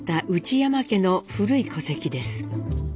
山家の古い戸籍です。